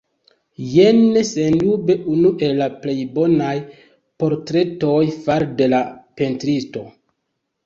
Jen sendube unu el la plej bonaj portretoj fare de la pentristo.